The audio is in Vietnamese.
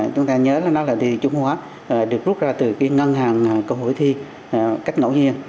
chúng ta nhớ là nó là đề thi trung hóa được rút ra từ cái ngân hàng câu hỏi thi cách ngẫu nhiên